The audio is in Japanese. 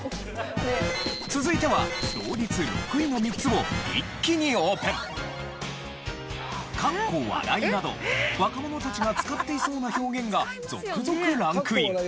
続いては同率６位の３つを一気にオープン。など若者たちが使っていそうな表現が続々ランクイン。